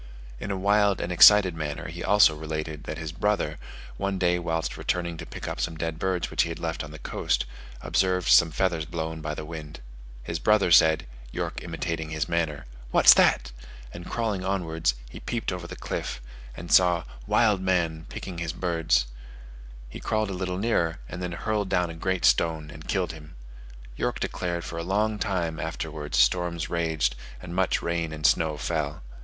In a wild and excited manner he also related, that his brother, one day whilst returning to pick up some dead birds which he had left on the coast, observed some feathers blown by the wind. His brother said (York imitating his manner), "What that?" and crawling onwards, he peeped over the cliff, and saw "wild man" picking his birds; he crawled a little nearer, and then hurled down a great stone and killed him. York declared for a long time afterwards storms raged, and much rain and snow fell.